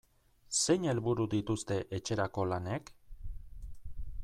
Zein helburu dituzte etxerako lanek?